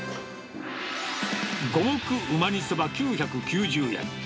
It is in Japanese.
五目うま煮そば９９０円。